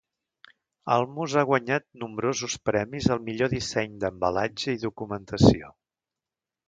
Almus ha guanyat nombrosos premis al millor disseny d'embalatge i documentació.